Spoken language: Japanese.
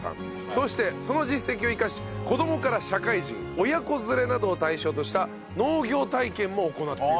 そしてその実績を生かし子供から社会人親子連れなどを対象とした農業体験も行っていると。